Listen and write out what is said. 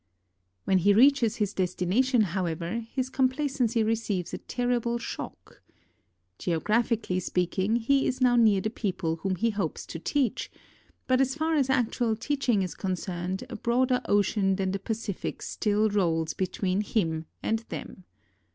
When he reaches his destination, however, his com placency receives a terrible shock. Geographically speaking, he is now near the people whom he hopes to teach; but as far as actual teaching is concerned, a broader ocean than the Pacific still rolls between him and them.